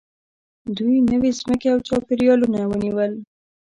دوی نوې ځمکې او چاپېریالونه ونیول.